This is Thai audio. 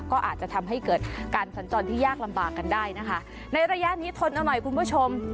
ก็อาจจะทำให้เกิดการสัญจรที่ยากลำบากกันได้นะคะในระยะนี้ทนเอาหน่อยคุณผู้ชม